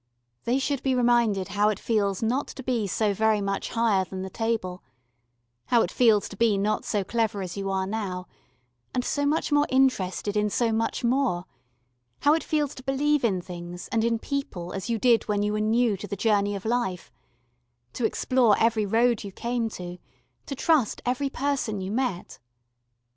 They should be reminded how it feels to be not so very much higher than the table, how it feels not to be so clever as you are now, and so much more interested in so much more how it feels to believe in things and in people as you did when you were new to the journey of life to explore every road you came to, to trust every person you met.